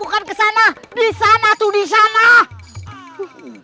kau harus menangkanmu di depan bocah ini